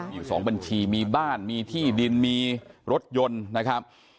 มี๒บัญชีมีบ้านมีที่ดินมีรถยนต์นะครับ